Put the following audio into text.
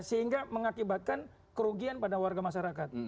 sehingga mengakibatkan kerugian pada warga masyarakat